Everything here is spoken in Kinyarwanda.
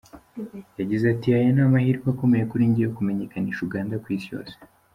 Yagize ati : "Aya ni amahirwe akomeye kuri njye yo kumenyekanisha Uganda ku isi yose….